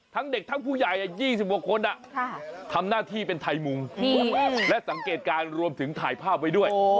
ทั้งเด็กทั้งผู้ใหญ่๒๐กว่าคนทำหน้าที่เป็นไทยมุงและสังเกตการณ์รวมถึงถ่ายภาพไว้ด้วย